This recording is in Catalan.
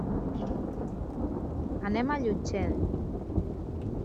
Anem a Llutxent.